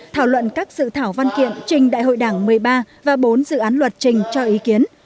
thảo luận các sự thảo văn kiện trình đại hội đảng một mươi ba và bốn dự án luật trình cho ý kiến